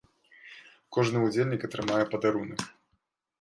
Кожны ўдзельнік атрымае падарунак.